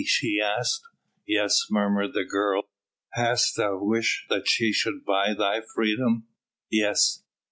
she asked. "Yes!" murmured the girl. "Hast a wish that she should buy thy freedom?" "Yes."